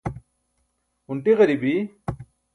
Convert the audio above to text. hunṭi ġaribi